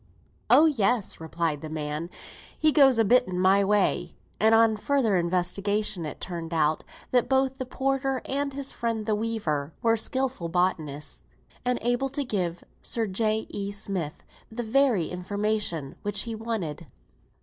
"Oh, yes," replied the man. "He does a bit in my way;" and, on further investigation, it turned out, that both the porter, and his friend the weaver, were skilful botanists, and able to give Sir J. E. Smith the very information which he wanted.